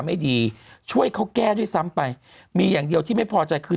ไม่ดีช่วยเขาแก้ด้วยซ้ำไปมีอย่างเดียวที่ไม่พอใจคือ